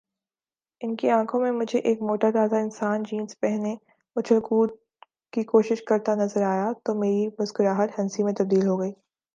ان کی آنکھوں میں مجھے ایک موٹا تازہ انسان جینز پہنے اچھل کود کی کوشش کرتا نظر آیا تو میری مسکراہٹ ہنسی میں تبدیل ہوگئی